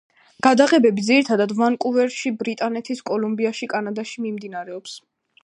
გადაღებები, ძირითადად, ვანკუვერში, ბრიტანეთის კოლუმბიაში, კანადაში მიმდინარეობს.